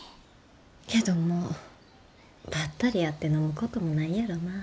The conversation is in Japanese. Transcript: けどもうバッタリ会って飲むこともないやろな。